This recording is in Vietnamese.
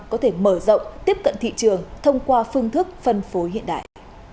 có thể mở rộng tiếp cận thị trường thông qua phương thức phân phối hiện đại